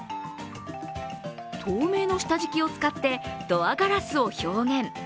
透明の下敷きを使って、ドアガラスを表現。